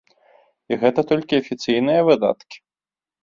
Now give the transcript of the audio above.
І гэта толькі афіцыйныя выдаткі.